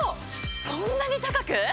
そんなに高く？